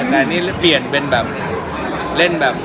แต่อันนี้เปลี่ยนเป็นแบบ